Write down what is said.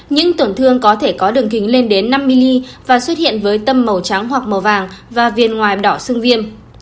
những tổn thương có thể có đường kính lên đến năm mm và xuất hiện với tâm màu trắng hoặc màu vàng và viên ngoài đỏ xương viêm